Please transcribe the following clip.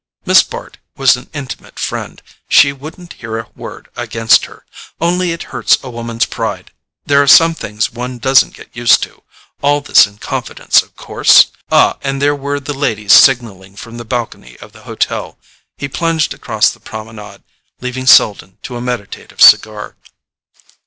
Miss Bart was an intimate friend—she wouldn't hear a word against her. Only it hurts a woman's pride—there are some things one doesn't get used to.... All this in confidence, of course? Ah—and there were the ladies signalling from the balcony of the hotel.... He plunged across the Promenade, leaving Selden to a meditative cigar.